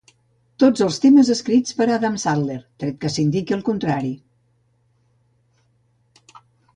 Tots els temes escrits per Adam Sandler, tret que s'indiqui el contrari.